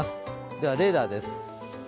ではレーダーです。